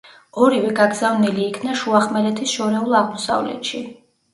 ორივე გაგზავნილი იქნა შუახმელეთის შორეულ აღმოსავლეთში.